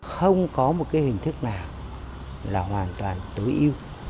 không có một cái hình thức nào là hoàn toàn tối ưu